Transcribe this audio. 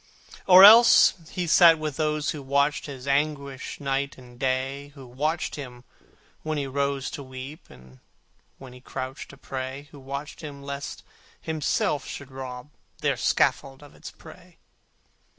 Or else he sat with those who watched His anguish night and day; Who watched him when he rose to weep, And when he crouched to pray; Who watched him lest himself should rob Their scaffold of its prey.